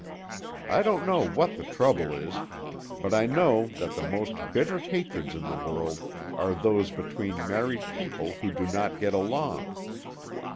I don't know what the trouble is, but I know that the most bitter hatreds in the world are those between married people who do not get along.